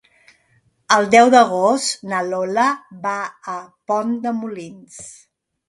El deu d'agost na Lola va a Pont de Molins.